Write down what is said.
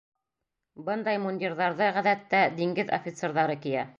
Бындай мундирҙарҙы, ғәҙәттә, диңгеҙ офицерҙары кейә.